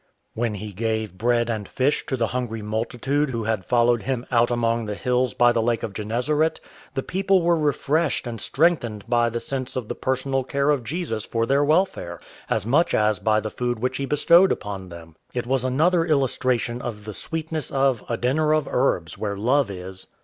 When he gave bread and fish to the hungry multitude who had followed him out among the hills by the Lake of Gennesaret, the people were refreshed and strengthened by the sense of the personal care of Jesus for their welfare, as much as by the food which he bestowed upon them. It was another illustration of the sweetness of "a dinner of herbs, where love is."